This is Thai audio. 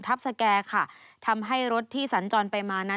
ทัพสะแกทำให้รถที่สั่นจอนไปมาต่อ